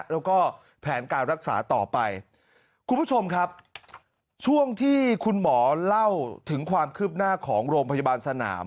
แล้วก็แผนการรักษาต่อไปคุณผู้ชมครับช่วงที่คุณหมอเล่าถึงความคืบหน้าของโรงพยาบาลสนาม